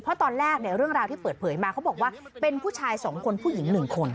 เพราะตอนแรกเนี่ยเรื่องราวที่เปิดเผยมาเขาบอกว่าเป็นผู้ชาย๒คนผู้หญิง๑คน